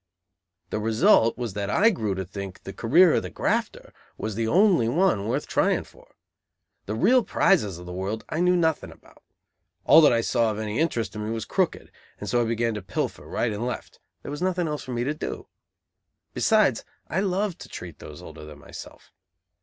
The result was that I grew to think the career of the grafter was the only one worth trying for. The real prizes of the world I knew nothing about. All that I saw of any interest to me was crooked, and so I began to pilfer right and left: there was nothing else for me to do. Besides I loved to treat those older than myself.